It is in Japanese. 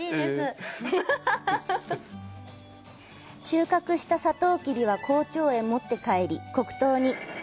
収穫したサトウキビは工場へ持って帰り、黒糖に。